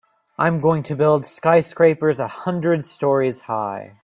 I'm going to build skyscrapers a hundred stories high.